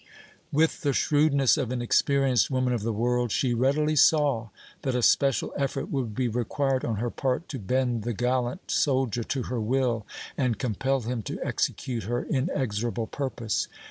With the shrewdness of an experienced woman of the world, she readily saw that a special effort would be required on her part to bend the gallant soldier to her will and compel him to execute her inexorable purpose.